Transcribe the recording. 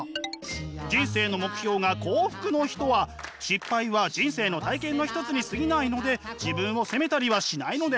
人生の目標が幸福の人は失敗は人生の体験の一つにすぎないので自分を責めたりはしないのです。